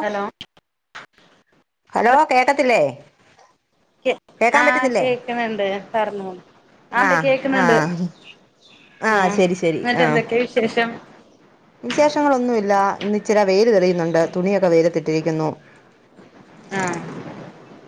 Hello hello കേക്കത്തില്ലേ കേക്കാൻ ആഹ പറ്റുന്നില്ലേ കേക്കണണ്ട് പറഞ്ഞോ ആ ആണ്ട് ആ കേക്കണണ്ട്. ആ മ്മ് ശരി ന്നിട്ടെന്തൊക്കെ വിശേഷം വിശേഷങ്ങളൊന്നുഇല്ല ഇന്ന് ഇച്ചിര വെയില് തെളിയുന്നുണ്ട് തുണിയൊക്കെ വെയിലത്തിട്ടിരിക്കുന്നു ആഹ്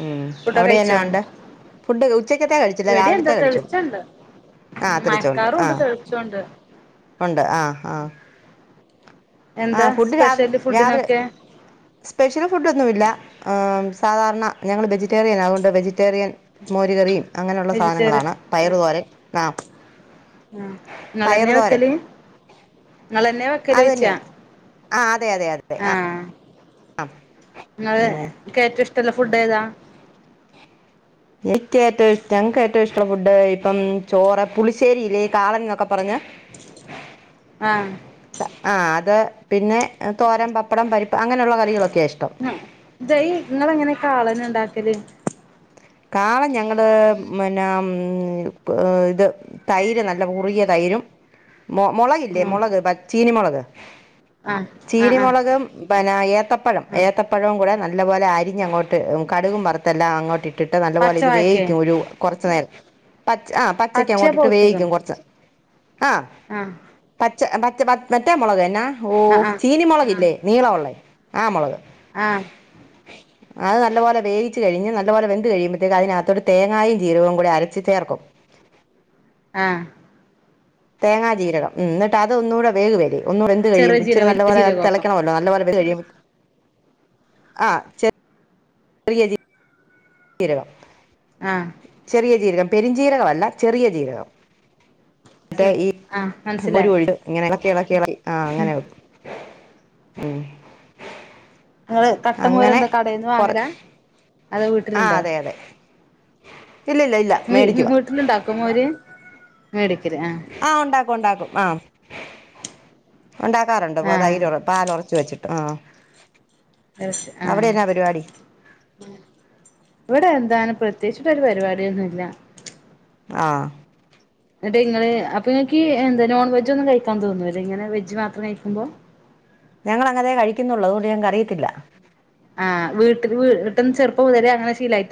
ഉം ഫുഡൊക്കെ അവിടെന്ന കഴിച്ചോ ഉണ്ട് ഫുഡ് ഉച്ചക്കത്ത കഴിച്ചില്ല ഇവിടെ എന്താ രാവിലത്തെ കഴിച്ചു തെളിച്ചണ്ട് ആ തിരിച്ചോണ്ട് ആ മഴക്കാറുണ്ട് തെളിച്ചോണ്ട് ഉണ്ട് ആ ആ ആ എന്താ ഫുഡ് രാവിലെ സ്പെഷ്യല് രാവിലെ ഫുഡിനൊക്കെ സ്പെഷ്യൽ ഫുഡോന്നുമില്ല ആം സ് സാധാരണ ഞങ്ങൾ വെജിറ്റേറിയന അതുകൊണ്ട് വെജിറ്റേറിയൻ മോര് കറിയും അങ്ങനൊള്ള വെജിറ്റേറിയൻ സാനങ്ങളാണ് പയറുതോരൻ ആം ആ നിങ്ങളന്നെ വെക്കല് ഇങ്ങളന്നെ അത് വെക്കലോച്ച തന്നെയാണ് ആ അതെ അതെ അതെ ആ ആഹ് ങ്ങള് ഉം കേറ്റോം ഷ്റ്റോള്ള ഫുഡേതാ ത്ര ഫുഡ് ഇപ്പം ചോറെ പുളിശ്ശേരില്ലേ കാളൻ ന്നൊക്കെ പറഞ്ഞ് ആഹ് ആ അത് പിന്നെ തോരം പപ്പടം പരിപ്പ് അങ്ങനൊള്ള കറികള് ആ ജയ് ഇങ്ങളെങ്ങനാ കാളൻ ണ്ടാക്കല് കാളൻഞങ്ങള് പിന്നാ മ് ഇത് തൈര് നല്ലകുറുകിയ തൈരും ഉ [inaudible] മു മുളകില്ലേ മുളക് പച് ചീനി മുളക് ആഹ് ആഹ് ചീരി ആഹ് മൊളകും പന ഏത്തപ്പഴം ആഹ് ഏത്തപ്പഴവും കൂടെ ന ല്ലപോലെ അരിഞ്ഞങ്ങോട്ട് കടുകും വറത്തെല്ലാം അങ്ങോട്ട് ഇട്ടിട്ട് നല്ലപോലെ ഇത് പച്ചവായക്കേ വേവിക്കും ഒരു കുറച്ച് നേര പച് ആ പച്ചേ പച്ചക്കങ്ങോട്ടിട്ട് വേവിക്കും പൗത്ത്ക്ക്ണ് കുറച്ച് ആ ആഹ് പച് പച് മറ്റ് മറ്റേ മുളക് എന്നാ ഓ ആഹ് ആഹ് ചീനി ആഹ് മുളകില്ലേ നീള ഉള്ളേ ആ മുളക് ആഹ് അ നല്ലപോലെ വേവിച്ച് കഴി ഞ്ഞ്നല്ലപോലെ വെൻ ന്ത് കഴിമ്പത്തെക്കും അതിനതൊട്ട് തേങ്ങായും ജീരകവും അരച്ച് ചേർക്കും ആ തേങ്ങാ ജീരകം ഉം എന്നിട്ട് അതൊന്നുകൂടെ വേവു വേലെ ഒന്നു വെന്ത് ചെറിയ കഴിയുമ്പോ ഇച്ചിരി ജീരകം വലിയ നല്ലപോലെ ജീരകോ തെളക്കണവല്ലോ നല്ലപോലെ വെന്ത് കഴിയുമ്പോ ആ ചെ റിയ ജീ രകം ആഹ് ചെറിയ ജീരകം പെരിഞ്ജീരകവല്ല ചെറിയ ജീരകം റ്റേ ശരി ഈ ആഹ് മനസ്സിലായി മരുകൊണ്ട് ഇങ്ങനെ എളക്കിഎളക്കി കേള ആഹ അങ്ങനെ വക്കും നിങ്ങള് കട്ടമോര് അങ്ങനെ എന്താ കടേന്ന് കൊറ വാങ്ങലാ അതോ ആ വീട്ടിലുണ്ടോ അതെ അതെ ഇല്ല ഇല്ല ഇല്ല വീ മേടിക്കുവാ വീട്ടിലുണ്ടാക്കോ മോര് മേടിക്കല് ആഹ് ആ് ഉണ്ടാക്കും ഉണ്ടാക്കും ആഹ ഉണ്ടാക്കാറുണ്ട് അപ്പ ആഹ് തൈര് പാലൊറച്ച് വെച്ചിട്ട് ആ അവിടെ ആഹ എന്നാ പരിപാടി ഇവിടെ ന്താണ് പ്രതേച്ചിട്ടൊരു പരിപാടിയൊന്നുല്ല ആ എന്നട്ട് നിങ്ങള് അപ്പൊ നിങ്ങക്ക് എന്താ നോൺ വെജ് ഒന്നും കഴിക്കാൻ തോന്നൂല്ല ഇങ്ങനെ വെജ് മാത്രം കഴിക്കുമ്പോ [inaudible] ഞങ്ങളെങ്ങനെ കഴിക്കുന്നുള്ളു അതോണ്ട് ഞങ്ങക്ക് അറിയത്തില്ല ആഹ് വീട്ടില്‌ വീട്ടന്ന് ചെറുപ്പം മുതലേ അങ്ങനെ ശീലായി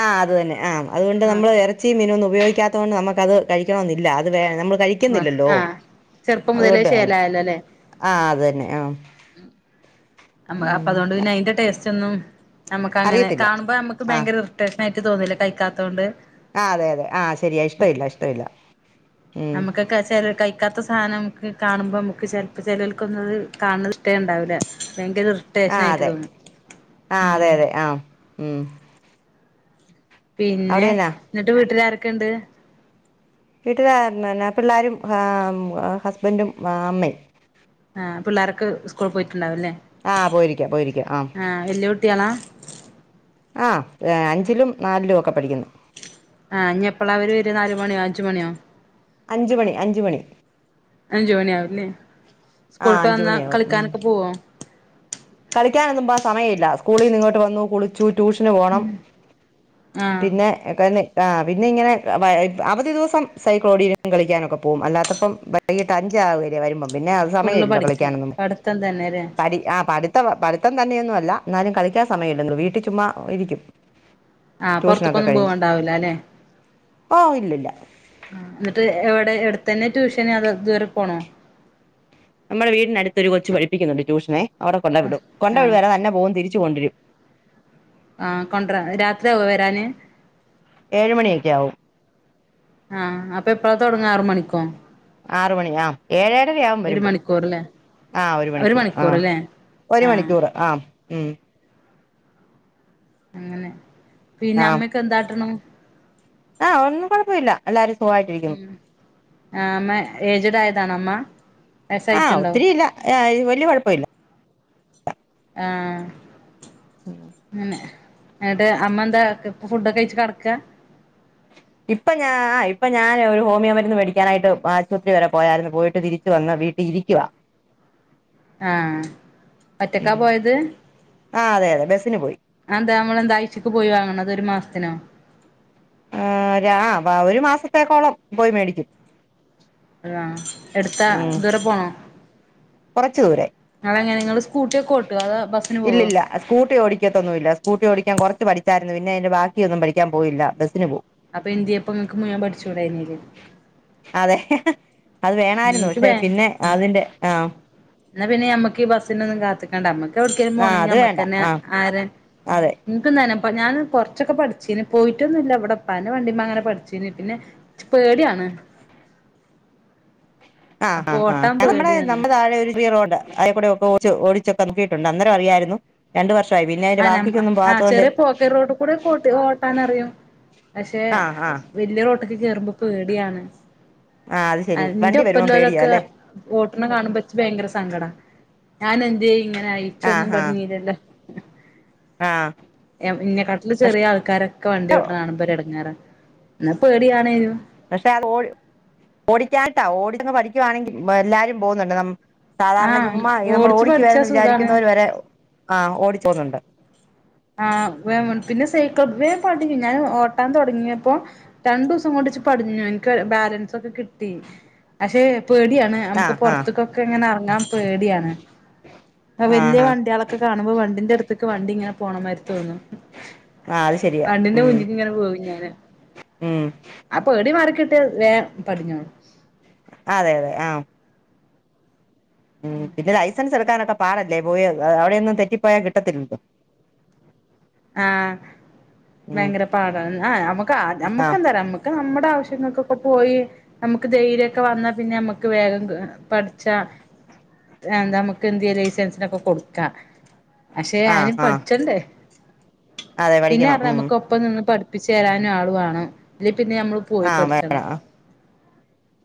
ആഹ് അത് തന്നെ ആഹ അതുകൊണ്ട് നമ്മള് ആഹ് ഇറച്ചിയും മീനും ഒന്ന് ഉപയോഗി കാത്തൊണ്ട് നമ്മക്കത് കഴിക്കണോന്നില്ല അത് വെൻ നമ്മ ആ കഴിക്കുന്നില്ലല്ലോ ആഹ് ചെറുപ്പം മുതലേ അതുകൊണ്ട് വേണ്ട ശേലായല്ലോല്ലേ ആ അത് തന്നെ ആ [inaudible] നമ്മ അപ്പൊ ഉം അതുകൊണ്ട് പിന്നെ അയിന്റെ ടേസ്റ്റ് ഒന്നും നമ്മുക്ക് അങ്ങനെ അറിയത്തില്ല കാണുമ്പോ നമ്മക്ക് ആ ഭയങ്കര ഇറിറ്റേഷ് ട്ട് തോന്നുന്നില്ല കൈക്കാത്തത് കൊണ്ട് ആ അതെ അതെ ആഹ് ശരിയാ ഇഷ്ടഇല്ല ഇഷ്ടഇല്ല നമുക്കക്കെ [unintelligible] കഴിക്കാത്ത സാധനം നമുക് കാണുമ്പോ നമുക്ക് ചിലപ്പോ ചിലവൾക്കൊന്നത് കാണ ഇ്ടേ ഉണ്ടാവില്ല. ഭയങ്കര ആ റിട്ടേഷൻ ആയിട്ട് അതെ തോന്നും ആ ഉ അതെ അതെ ആ ഉം പിന്നെ അവിടെന്നാ എന്നിട്ട് വീട്ടില ആരൊക്കെുണ്ട്. വീട്ടില പിന്ന പിള്ളേരും ഹസ്ബൻറും അമ്മയും പിള്ളർക്കെ സ്കൂൾ പോയിട്ട് ആഹ പോയിരിക്കാം പോയിരിക്കാം ആഹ ആ വല്യ കുട്ടികളാ ആഹ അഞ്ചിലും നാലിലും ഒക്കെ പഠിക്കുന്നു. ആഹ ഇനി എപ്പള അവര് വര നാല് മണിയോ അഞ്ച് മണിയോ? അഞ്ച് മണി അഞ്ച് മണി അഞ്ച് മണിയാവുംല്ലേ ആ സ്കൂളിട്ട് അഞ്ച് വന്നാ മണിയാവും ഉം കളിക്കാനൊക്കെ പോവോ കളിക്കാനൊന്നുമ്പാ സമയമല്ല സ്കൂളിൽ നിങ്ങോട്ട് വന്നു കുളിച്ചു ട്യൂഷന് പോകണം ആഹ് പിന്നെ [unintelligible] ആ പിന്ന ഇങ്ങനെ അവധിദിവസം സൈക്കിൾ ഓടിക്കാനും കളിക്കാനും ഒക്കെ പോകും അല്ലാത്തപ്പം വൈകിട്ട് അഞ്ച് വരുമ്പോ പിന്നെ അത് ഫുള്ള് സമയമല്ലോ പഠിക്കാൻ കളിക്കാനൊന്ന പഠിത്തം തന്നെല്ലേ പ ആ പഠി പഠിത്തം തന്നെയൊന്നും അല്ല എന്നാലും കളിക്കാൻ സമയമല്ലോ വീട്ടിൽ ചുമ്മാ ഇരിക്കും. ആഹ ട്യൂഷനൊക്കെ പുറത്തക്കൊന്നും കഴിഞ്ഞ് പോവണ്ടാവൂല അല്ലെ ഓ ഇല്ലില്ല എന്നിട്ട് എവിടെ എവിടത്തന്നെ ട്യൂഷന് അത ദൂരെ പോണോ നമ്മുടെ വീടിനടുത്തൊ കൊച്ച് പഠിപ്പിക്കുന്നുണ്ട് ട്യൂഷനെവിടെ കൊണ്ട വിട കൊണ്ട ആഹ് വിടും വല്ല തന്നെ പോകും തിരി കൊണ്ടിരും ആഹ കൊണ്ട രാത്രിയാക വരാന് ഏഴ് മണിയൊക്കെ ആവും ആഹ അപ്പൊ എപ്പഴാ തുടങ്ങ ആറ് മണിക്കൊ ആറ മണി ആ ഏഴേഴരയാകൻ ഒരു വരുമ്പോ മണിക്കൂറല്ലേ ആഹ ഒരു മണിക്കൂർ ആഹ ഒരു ആഹ് മണിക്കൂർ ആഹ് ഉം അങ്ങനെ പിന്നെ ആ അമ്മക്ക എന്താട്ടണം ആ ഒന്നും കുഴപ്പമില്ല എല്ലാരും സുഖമായിട്ടിരിക്കു ആ അമ്മ ഏജ്ഡ് ആയതാണ അമ്മ ആഹ വയസായിട്ടുണ്ടോ ഒത്തിരി ഇല്ല വലിയ കുഴപ്പമില്ല ആഹ പിന്നെ എന്നിട്ട് അമ്മ എന്താ ഇപ്പ ഫുഡൊക്കെ കഴച്ച് കടക്ക ഇപ്പൊ ഞാ ആ ഇപ്പൊ ഞാൻ ഒരു ഹോമിയോ മരുന്ന് മേടിക്കാനായിട്ട് ആശുപത്രി വരെ പോയായിരുന്നു പോയിട്ട് തിരിച്ചു വന്ന് വീട്ടിൽ ഇരിക്കുവാ ആ ആഹ ഒറ്റക്കാ ഉം പോയത് ആ അതെ അതെ ബസിന് പോയി അന്താ നമ്മളെന്താഴ്ച്ചക്ക് പോയി വാങ്ങണ അത് ഒരു മാസത്തിനോ ആ രാ വ ഒരു മാസത്തേക്കോളം പോയി മേടിക്കും അതാ എടുത്താ ഉം ദൂരെ പോണോ കുറച്ചു ദൂരെ നിങ്ങളെങ്ങനെ നിങ്ങള് സ്കൂട്ടിയൊക്കെ ഓട്ടോ അതോ ബസ്സിന് പോവോ ഇല്ലില്ല സ്കൂട്ടി ഓടിക്കത്തൊന്നുമല്ല സ്കൂട്ടി ഓടിക്കാൻ കൊറച്ച് പഠി ഠിച്ചാരുന്നു പിന്നെതിന്റെ ബാക്കിയൊന്നും പഠിക്കാൻ പോയില്ല ബസിന് പോവും അപ്പൊ എന്ത്യയെപ്പം ങ്ങക്ക് മുങ്ങൻ പഠിച്ചൂടായില്. അതെ അത് വേണായിരുന്നു പക്ഷെ ആഹ് പിന്നെ അതിന്റെ ആഹ എന്നാ പിന്നെ നമ്മക്ക് ഈ ബസ്സിനൊന്നും കാത്തക്കണ്ടമ്മക്ക് [unintelligible] ആഹ് കരുമ്പോണെങ്കിൽ അത് വേണ്ട അമ്മക്കന്നെ ആഹ് ആര അതെ നിനിക്കന്ന അപ്പ ഞാൻ കൊറച്ചൊക്കെ പഠിച്ചേന് പോയിട്ടൊന്നും ഇല്ല ഇവിടെപ്പാ വണ്ടിമ്മ അങ്ങനെ പഠിച്ചേന് പിന്നെ ഇച്ച് പേടിയാണ് ആഹ് അപ്പൊ ആഹ് ആഹ് ഓട്ടാൻ നമ്മടെ പേടിയാണ് നമ്മുടെ താഴെ ഒരു വീടുണ്ട് അയ്ക്കൂടെ ഒക്കെ ഓടിച്ചു ഓടിച്ചൊക്ക നോക്കിയിട്ടുണ്ട് അന്നരം അറിയായിരുന്നു രണ്ട് വർഷം [unintelligible] ആഹ് ചെറിയ പോക്കറ്റ്റോട്ട്ക്കൂടെ ഒക്കെ ഓട്ട് ഓട്ടാനറിയും പക്ഷേ ആഹ് ആഹ് വല്ല്യ റോട്ട്ക്ക് കേറുമ്പൊ പേടിയാണ് ആഹ് അത് ആ ശരി ന്റെ വണ്ടി വരുമ്പോ പേടിയാ ഒപ്പല്ലോലൊക്കെ അല്ലേ വോട്ട്ണ് കാണുമ്പൊ ഇച്ച് ഭയങ്കര സങ്കടാ ഞാൻ എന്തേ ഇങ്ങനെ ആയി ഇച്ചൊന്നും ആഹ് ആഹ് പഠിഞ്ഞീലല്ലോ ആഹ് ഇന്നക്കാട്ടിലും പക്ഷെ ചെറിയ ആൾക്കാരൊക്കെ വണ്ടി ഓട്ടണ കാണുമ്പ ഒരു എടങ്ങേറാ ഇന്നാ പേടിയാണേനൂ പക്ഷെ അത് ഓടി ഓടിക്കാട്ട ഓടിച്ചങ്ങ് പഠിക്കുവാണെങ്കി എല്ലാരും പോവുന്നുണ്ട് നം ആ സാധാരണ ചുമ്മാ നമ്മൾ ഓടിച്ചു ഓടിക്കു പഠിച്ചാ വേലന്ന് സുഖാണ് വിചാരിക്കുന്നവര് വരെ ആഹ് ഓടിച്ചോവ്ന്നുണ്ട്. ആഹ് വേം പിന്നെ സൈക്കൾ വേ പടിം ഞാൻ ഓട്ടാൻ തൊടങ്ങിയപ്പോ രണ്ടൂസം കൊണ്ട് ഇച്ച് പഠിഞ്ഞു എൻക്ക് ബാലൻസ് ഒക്കെ കിട്ടി. പഷേ പേടിയാണ് അമുക്ക് ആഹ് ആഹ് പൊർത്ത്ക്കൊക്കെങ്ങനെ എറങ്ങാൻ പേടിയാണ്. അത് വല്യ ആഹ് ആഹ് വണ്ട്യേളൊക്കെ കാണുമ്പോ വണ്ടിന്റെ അടുത്ത്ക്ക് വണ്ടി ഇങ്ങനെ പോണമാരി തോന്നും ആ അത് ശരിയാ വണ്ടിന്റെ ഉം മുന്ന്ക്ക് ഇങ്ങനെ പോവും ഞാന് ഉം ആ പേടി മാറിക്കിട്ട്യാ വേം പടിഞ്ഞോളും. അതെ അതെ ആഹ് ഉം പിന്നെ ലൈസൻസ് എട്ക്കാനൊ ക്കെ പാടല്ലേ പോയ അവിടെയൊന്നും തെറ്റിപ്പോയാ കിട്ടത്തില്ലല്ലോ. ആഹ് ഉം വയങ്കര പാടാ ആ നമ്മക് ആ നമ്മുക്ക് എന്താറ്യോ നമ്മുക്ക് നമ്മ ടെ ആവശ്യങ്ങക്കൊക്കെ പോയി നമുക്ക് ധൈര്യൊക്കെ വന്നാ പിന്നെ നമ്മുക്ക് വേഗം പഠിച്ചാ എന്താ നമുക്ക് എന്തേയ്യ ലൈസൻസിനൊക്കെ കൊടുക്കാ പക്ഷെ ആ അയിന് ആ പഠിച്ചണ്ടേ. അതെ പിന്നെ പഠിക്കണം പറഞ്ഞ ഉം നമ്മക്ക് ഒപ്പം നിന്ന് പഠി പ്പിച്ചേരാനും ആളു വാണം ല് പിന്നെ നമ്മള് പോയി ആ പഠിച്ചണം. വേണം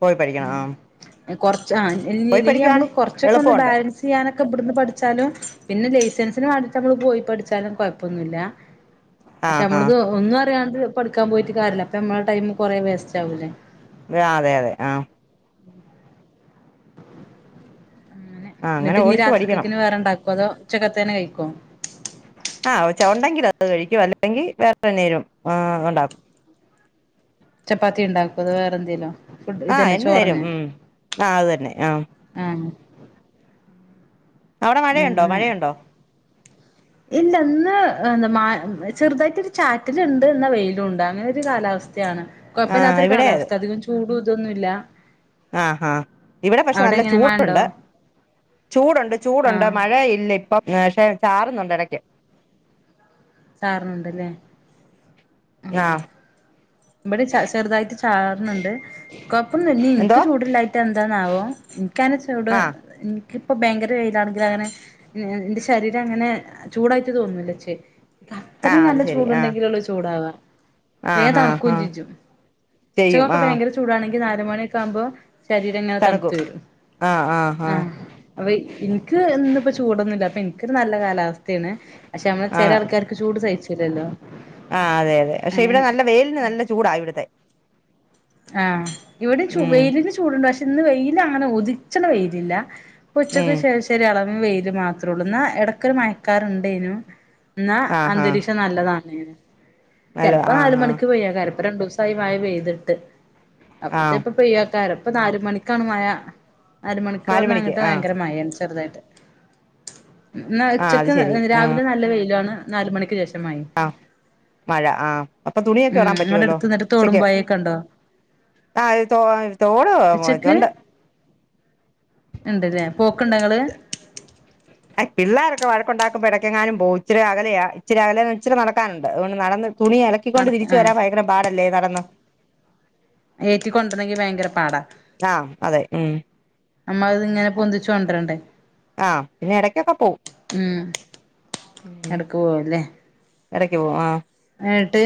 പോയി പഠിക്കണം ആ ഏഹ് കൊറച്ച് ആഹ് ഇല്യെ പോയി ഇല്ലെങ്കി നമ്മള് പഠിക്കുവാണെ കൊറച്ചൊക്കെ ഒന്ന് എളുപ്പമുണ്ട് ബാലൻസ്യ്യാനൊ ക്കെ ഇബ്ട്ന്ന് പഠിച്ചാലും പിന്നെ ലൈസൻസിന് വാണ്ടിട്ട് നമ്മള് പോയി പഠിച്ചാലും കൊഴപ്പൊന്നുല്ല. ആ പക്ഷെ ആ നമ്മളിത് ഒന്നും അറിയാണ്ട് പഠിക്കാൻ പോയിട്ട് കാര്യല്ല അപ്പൊ നമ്മളെ ടൈം കൊറെ വേസ്റ്റ് ആവൂലേ. വേ അതെ അതെ ആഹ് അങ്ങനെ ആ അങ്ങനെ എന്നിട്ട് ഇനി ഓടിച്ചു പഠിക്കണം രാത്രികക്കിനി വേറെണ്ടാക്കോ അതോ ഉച്ചക്കത്തെന്നെ കഴിക്കോ ആ ചോറുണ്ടെങ്കിൽ അത് കഴിക്കും അല്ലെങ്കിൽ വേറെന്തേലും ആ ഉണ്ടാക്കും ചപ്പാത്തി ഉണ്ടാക്കും അത് വേറെ എന്തെങ്കിലും ഫുഡ് ആ ഇതന്നെ എണ്ണ തരും ചോറന്നെ ഉം ആ അത് തന്നെ ആ ആഹ് അവിടെ മഴയുണ്ടോ അങ്ങനെ മഴയുണ്ടോ ഇല്ല ഇന്ന് എന്താ ചെറുതായിട്ടൊരു ചാറ്റിലുണ്ട് എന്ന വെയിലൂണ്ട് അങ്ങനെ ഒരു കാലാവസ്ഥ യാണ് ആ കുഴപ്പമില്ലാത്തൊരു ഇവിടെ അതെ കാലാവസ്ഥ അധികം ചൂടും ഇതൊന്നുല്ല ആ ആഹ് ഇവിടെ പക്ഷെ നല്ല മഴണ്ടോ ചൂടുണ്ട് ചൂടുണ്ട് ചൂടുണ്ട് ആഹ് മഴ ഇല്ല ഇപ്പം ചാറുന്നുണ്ട് ഇടക്ക് ചാറണുണ്ടല്ലേ ആഹ് ഇവിടെ ച ചെറുതായിട്ട് ചാർണണ്ട് കൊഴപ്പൊന്നുല്ല എനിക്ക് എന്തോ ചൂടിലായിട്ട് എന്താന്നാവോ ഇക്കാന് ചൂട് ആഹ് ഇപ്പ ഭയങ്കര വെയിലാണെങ്കിൽ അങ്ങനെ എന്റെ ശരീരം അങ്ങനെ ചൂടായിട്ട് തോനുല്ലച്ചേ ആഹ് അത്രയും അത് നല്ല ശരി ആഹ് ചൂടുണ്ടെങ്കിലുള്ളു ചൂടാവാ ആഹ് ഹാ കൊഞ്ചിച്ചു ഉച്ചകൊക്കെ ഭയങ്കര ചൂടാണെങ്കിൽ നാല് മണിയൊക്കെ ആകുമ്പോ ശരീരം ഇങ്ങനെ തണുത്ത് തണുക്കും വരും ആഹ് ആഹ് ആ ആഹ് അപ്പൊ ഇൻക്ക് ഇന്ന് ഇപ്പോ ചൂടൊന്നുല്ല അപ്പൊ ഇൻക്ക് നല്ല കാലാവസ്ഥയാണ് പക്ഷെ നമ്മള് ചെല ആൾക്കാർക്ക് ചൂട് സഹിച്ചുല്ലല്ലോ ആ അതെ അതെ പക്ഷെ ഇവിടെ നല്ല വെയിലിന് നല്ല ചൂടാ ഇവിടത്തെ ആ ഇവിടെയും വെയിലിന് ചൂടുണ്ട് പക്ഷെ ഇന്ന് വെയിലാണ് ഉദിച്ചണ വെയിലില്ല ഉച്ചക്ക് ഉം ശേഷം ഒരു എളം വെയില് മാത്രള്ളു എന്ന എടക്ക് ഒരു മഴക്കാറുണ്ടേനു എന്നാ ആഹ് ആഹ് അന്തരീക്ഷം നല്ലതാണെനു നല്ല ചെലപ്പോ നാല് ആഹ് ആഹ് മണിക്ക് പെയ്യകാരം പ്പ രണ്ടു ദിസായി മഴ പെയ്തിട്ട് അപ്പ ആഹ് ചെപ്പ പെയ്യക്കാരപ്പ നാല് മണിക്കാണ് മഴ നാല് അരമണിക്കൂറിന് മണിക്ക് അങ്ങിട്ട് ആഹ് ഭയങ്കര മയാണ് ചെറുതായിട്ട് എന്ന ആഹ് അത് ഉച്ചക്ക് ശരി രാവിലെ നല്ല വെയിലാണ് നാല് മണിക്ക് ശേഷം മഴയും ആ മഴ ആഹ അപ്പൊ തുണിയൊക്കെ ഉം ഓറാൻ നിങ്ങടെ പറ്റുവല്ലോ അടുത്ത് എന്നിട്ട് തോടും ഉച്ചക്ക് പൊഴയൊക്കെ ഉണ്ടോ ആ ത് തോ തോട് ഇതൊണ്ട് ഉണ്ട്ല്ലേ പോക്ക്ണ്ടങ്ങള് അ പിള്ളോരക്ക വഴക്കണ്ടാക്കുമ്പോ ഇടയ്ക്കങ്ങാനും പോ ഇച്ചിരി അകലെയ ഇച്ചരി അകല ഇച്ചിരി നടക്കാനുണ്ട് അണ്ട് നടന്ന് തുണി നട അലക്കിക്കൊണ്ട് തിരിച്ചു ആഹ് വരാൻ ഭയക്കണം പാടല്ലേ നടന്ന് ഏറ്റികൊണ്ടരെങ്കി ഭയങ്കര പാടാ ആഹ് അതെ ഉം നമ്മത് ഇങ്ങനെ പൊന്തിച്ചോണ്ടരണ്ടേ ആ പിന്നെ ഇടക്കൊക്കെ പോവും ഉം എടക്ക് പോവുല്ലേ ആ ട്ട്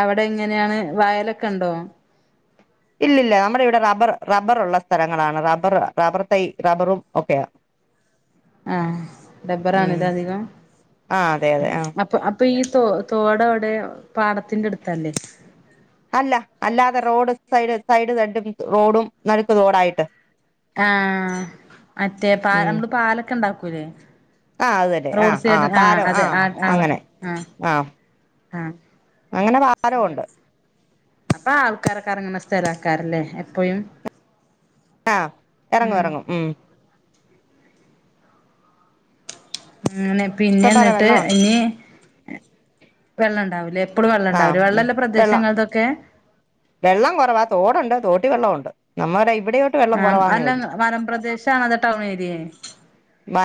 അവിടെ എങ്ങനെയാണ് വയലൊക്കെ ഉണ്ടോ ഇല്ലല്ല നമ്മുടെ ഇവിടെ റബ്ബർ റബ്ബർ ഉള്ള സ്ഥലങ്ങളാണ് റബ്ബർ റബ്ബർ തൈ റബ്ബറും ഒക്കെയ ആ ഉം ഡറബ്ബറാണല്ലേ അധികം ആഹ് അതെ അതെ ആഹ് അപ്പൊ അപ്പൊ ഈ തോ തോട അവിടെ പാടത്തിന്റെ അടുത്തല്ലേ അല്ല അല്ലാതെ റോഡ് സൈഡ് സൈഡ് സഡും റോഡും നടുക്കും തോഡായിട്ട് ആ മറ്റേ പ ഉം നമ്മള് പാലൊക്കെ ഉണ്ടാക്കൂല്ലേ ആഹ് അതല്ലെ ആ ആഹ് പാലം ആ അവിടെ അങ്ങനെ ആഹ് ആ ആഹ് അങ്ങനെ അങ്ങനെ ഭാരമുണ്ട് അപ്പൊ ആൾക്കാരൊക്കെ ഇറങ്ങുന്ന സ്ഥലക്കാാരല്ലേ എപ്പയും ആ ഇറങ്ങും ഇറങ്ങും ഉം അങ്ങനെ പിന്നെ ഇഷ്ടം പോലെ എന്നിട്ട് വെള്ളമുണ്ട് ഇനി വെള്ളം ഉണ്ടാവൂലേ എപ്പോളും വെള്ളം ആഹ് ഉണ്ടാവ ഉം വെള്ളംല്ല വെള്ളം പ്രദേശങ്ങളൾക്കെക്കെ വെള്ളം കുറവാ തോടുണ്ട് തോട്ടീ വെള്ളമുണ്ട് നമ്മ ആ അല്ല മലംപ്രദേശാണ അതോ ടൗൺ ഏരിയെ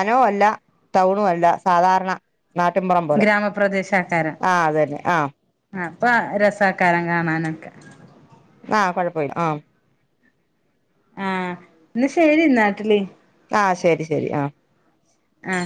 ന അല്ല ടൗണും അല്ല സാധാരണ നാട്ടിപുറം പോലെ ഗ്രാമപ്രദേശക്കാരം ആ അത തന്നെ ആ ഇപ്പ രസക്കാരം കാണാനൊക്കെ ആ കൊഴപ്പമില്ല ആ ആ എന്ന ശരി നാട്ടില് ആ ശരി ശരി ആ ആ